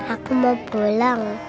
aku mau pulang